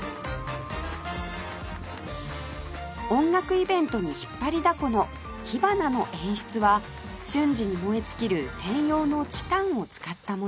音楽イベントに引っ張りだこの火花の演出は瞬時に燃え尽きる専用のチタンを使ったもの